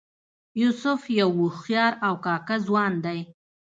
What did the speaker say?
یوسف یو هوښیار او کاکه ځوان دی.